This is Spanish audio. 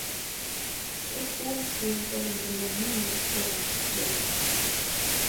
Es un afluente del río Miño por la izquierda.